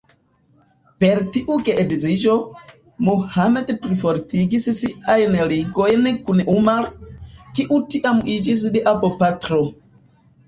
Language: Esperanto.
Per tiu geedziĝo, Muhammad plifortigis siajn ligojn kun Umar, kiu tiam iĝis lia bopatro.